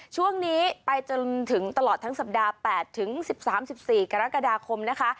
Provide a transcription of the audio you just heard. ช่วงนี้ไปจนถึงตลอดทั้งสัปดาห์แปดถึงสิบสามสิบสี่กรกฎาคมนะคะ